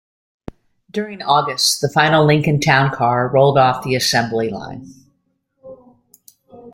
During August, the final Lincoln Town Car rolled off the assembly line.